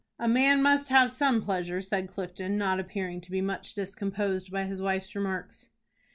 "A man must have some pleasure," said Clifton, not appearing to be much discomposed by his wife's remarks.